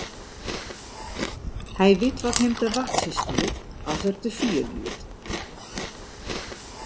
Hy wit wat him te wachtsjen stiet as er te fier giet.